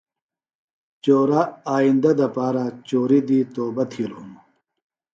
چورہ آئیندہ دپارہ چوری دی توبہ تِھیلوۡ ہِنوۡ